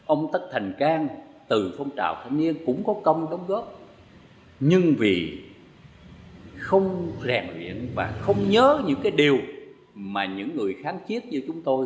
ông tất thành cang từ phong trào thanh niên cũng có công đóng góp nhưng vì không rèn luyện và không nhớ những cái điều mà những người kháng chiết như chúng tôi